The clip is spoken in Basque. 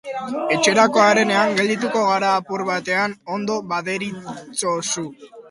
Etxerakoan harenean geldituko gara apur batean, ondo baderitzozu.